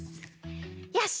よし。